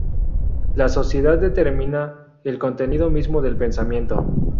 La "sociedad" determina el contenido mismo del "pensamiento.